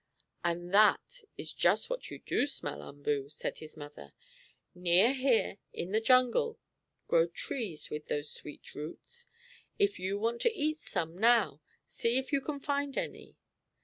"And that is just what you do smell, Umboo," said his mother. "Near here, in the jungle, grow trees with those sweet roots. If you want to eat some now see if you can find any.